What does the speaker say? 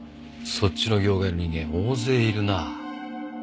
そっちの業界の人間大勢いるな。